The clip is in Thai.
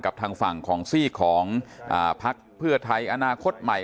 ทางฝั่งของซีกของพักเพื่อไทยอนาคตใหม่